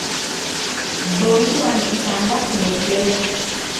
Boilwa ni isanga kunekelo